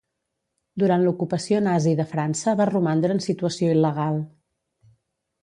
Durant l'ocupació nazi de França va romandre en situació il·legal.